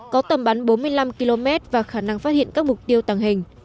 có tầm bắn bốn mươi năm km và khả năng phát hiện các mục tiêu tàng hình